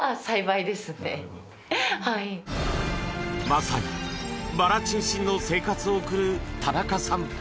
まさにバラ中心の生活を送る田中さん。